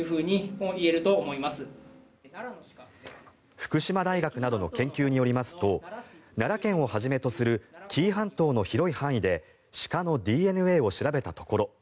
福島大学などの研究によりますと奈良県をはじめとする紀伊半島の広い範囲で鹿のＤＮＡを調べたところ